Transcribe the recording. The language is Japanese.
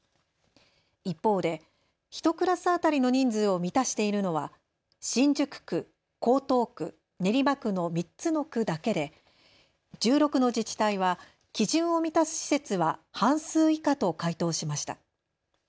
一方で１クラス当たりの人数を満たしているのは新宿区、江東区、練馬区の３つの区だけで１６の自治体は基準を満たす施設は半数以下と回答しました。